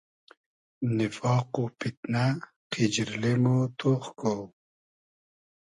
نیفاق و پیتنۂ , قیجیرلې مۉ تۉخ کو